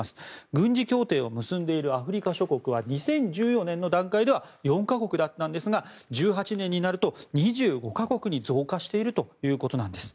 軍事協定を結んでいるアフリカ諸国は２０１４年の段階では４か国だったんですが２０１８年になると２５か国に増加しているということなんです。